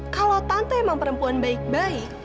kalau tante emang perempuan baik baik